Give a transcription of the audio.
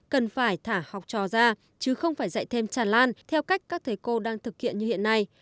cần phải thả học trò ra chứ không phải dạy thêm tràn lan theo cách các thầy cô đang thực hiện như hiện nay